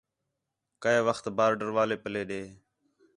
کَئے وخت بارڈر والے پَلّے ݙے